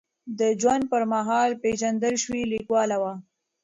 د ژوند پر مهال پېژندل شوې لیکواله وه.